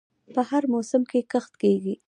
په هر موسم کې کښت کیږي.